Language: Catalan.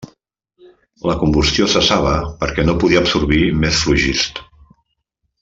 La combustió cessava perquè no podia absorbir més flogist.